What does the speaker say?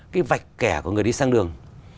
cái vạch kẻ của người đi sang đường